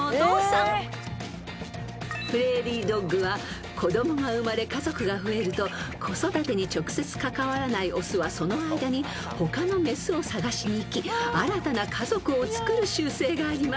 ［プレーリードッグは子供が生まれ家族が増えると子育てに直接関わらないオスはその間に他のメスを探しにいき新たな家族を作る習性があります］